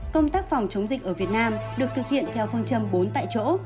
công tác phòng chống dịch ở việt nam được thực hiện theo phương châm bốn tại chỗ